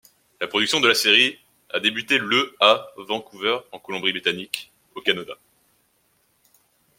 La production de la série a débuté le à Vancouver en Colombie-Britannique au Canada.